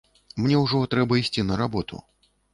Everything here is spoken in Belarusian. Мне ўжо трэба ісці на работу.